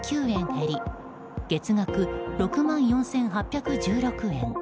減り月額６万４８１６円。